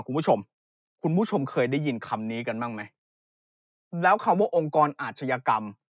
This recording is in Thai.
คุณผู้ชมคุณผู้ชมเคยได้ยินคำนี้กันบ้างไหมแล้วคำว่าองค์กรอาชญากรรม